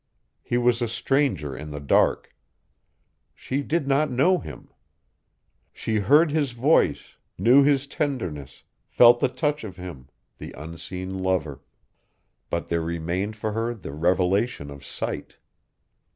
He was a stranger in the dark. She did not know him. She heard his voice, knew his tenderness, felt the touch of him, the unseen lover. But there remained for her the revelation of sight.